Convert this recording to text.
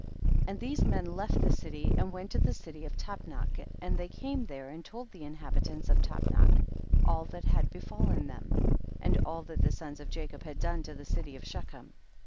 39. And these men left the city and went to the city of Tapnach, and they came there and told the inhabi tants of Tapnach all that had befal len them, and all that the sons of Ja cob had done to the city of Shechem.